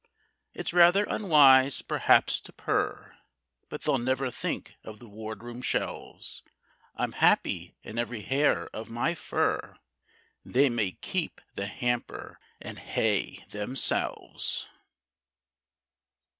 It's rather unwise perhaps to purr, But they'll never think of the wardrobe shelves. I'm happy in every hair of my fur; They may keep the hamper and hay themselves.